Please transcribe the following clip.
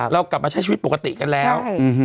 เรากลับมาใช้ชีวิตปกติกันแล้ว